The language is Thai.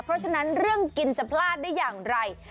เพราะฉะนั้นเรื่องกินจะพลาดได้อย่างไร